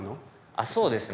あっそうですね。